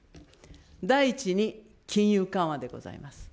第１に金融緩和でございます。